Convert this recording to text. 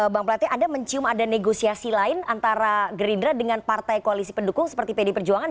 bang plate anda mencium ada negosiasi lain antara gerindra dengan partai koalisi pendukung seperti pd perjuangan